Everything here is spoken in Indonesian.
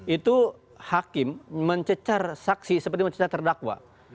itu hakim mencecar saksi seperti mencecar terdakwa